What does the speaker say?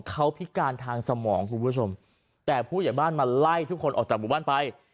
เขาพิการทางสมองคุณผู้ชมแต่ผู้ใหญ่บ้านมาไล่ทุกคนออกจากหมู่บ้านไป